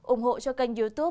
ủng hộ cho kênh của chúng tôi